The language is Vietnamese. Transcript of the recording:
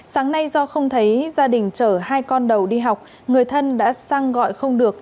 sáng nay do không thấy gia đình chở hai con đầu đi học người thân đã sang gọi không được